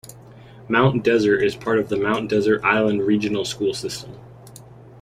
Mount Desert is part of the Mount Desert Island Regional School System.